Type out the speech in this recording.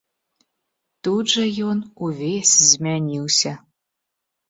Тут жа ён увесь змяніўся.